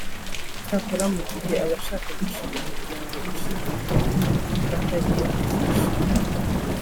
Icyakora mu gihe abashaka gushinga umuryango ushingiye ku idini batariyandikisha